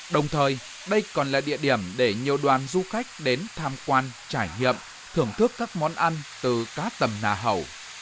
đồng thời đây còn là địa điểm để nhiều đoàn du khách đến tham quan trải nghiệm thưởng thức các món ăn từ cá tầm nà hầu